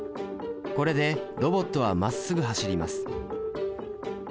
これでロボットはまっすぐ走ります。